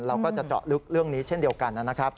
เราก็จะเจาะลึกเรื่องนี้เช่นเดียวกันนะครับ